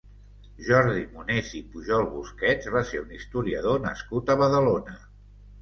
Jordi Monés i Pujol-Busquets va ser un historiador nascut a Badalona.